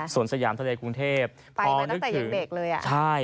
สวนสยามทะเลกรุงเทพไปมาตั้งแต่ยังเด็กเลย